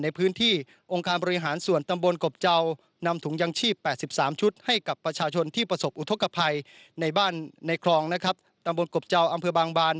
ในพื้นที่องค์การบริหารส่วนตำบลกบเจ้านำถุงยางชีพ๘๓ชุดให้กับประชาชนที่ประสบอุทธกภัยในบ้านในคลองนะครับตำบลกบเจ้าอำเภอบางบาน